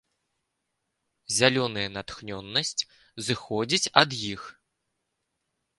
Зялёная натхнёнасць зыходзіць ад іх.